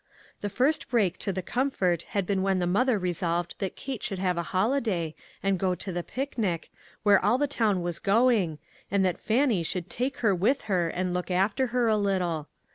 The first break to the comfort had been when the mother resolved that Kate should have a holiday, and go to the picnic, where all the town was going, and that Fannie should take her with her and look after her a little.